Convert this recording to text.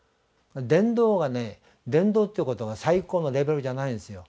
伝道がね伝道ということが最高のレベルじゃないんですよ。